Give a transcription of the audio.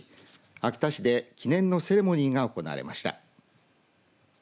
秋田市で記念のセレモニーが行われました。